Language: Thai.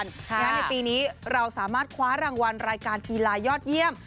ในปีนี้เราสามารถคว้ารางวัลรายการกีฬายอดเยี่ยม